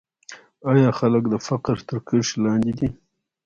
آیا خلک د فقر تر کرښې لاندې دي؟